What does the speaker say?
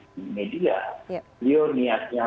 di media dia niatnya